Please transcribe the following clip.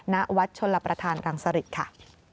ณวัดชลประธานรังสริตค่ะ